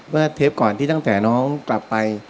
เทปก่อนที่ตั้งแต่น้องกลับไป